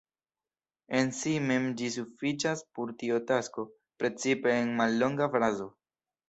En si mem ĝi sufiĉas por tiu tasko, precipe en mallonga frazo.